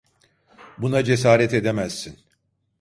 Buna cesaret edemezsin.